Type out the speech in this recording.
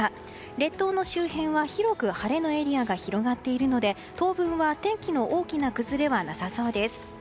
列島の周辺は、広く晴れのエリアが広がっているので当分は天気の大きな崩れはなさそうです。